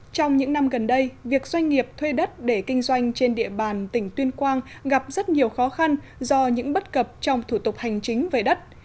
trong những năm gần đây việc doanh nghiệp thuê đất để kinh doanh trên địa bàn tỉnh tuyên quang gặp rất nhiều khó khăn do những bất cập trong thủ tục hành chính về đất